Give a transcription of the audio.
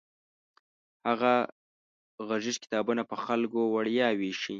هغه غږیز کتابونه په خلکو وړیا ویشي.